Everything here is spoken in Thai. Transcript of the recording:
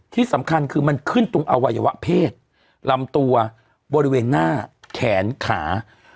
ที่สำคัญคือมันขึ้นตรงอวัยวะเพศลำตัวบริเวณหน้าแขนขา